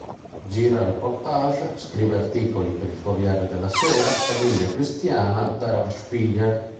Gira reportage, scrive articoli per il "Corriere della Sera", "Famiglia Cristiana", "Der Spiegel".